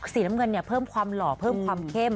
สีน้ำเงินเพิ่มความหล่อเพิ่มความเข้ม